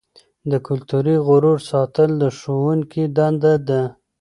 د کلتوري غرور ساتل د ښوونکي دنده ده.